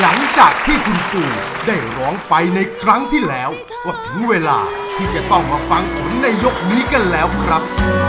หลังจากที่คุณปู่ได้ร้องไปในครั้งที่แล้วก็ถึงเวลาที่จะต้องมาฟังผลในยกนี้กันแล้วครับ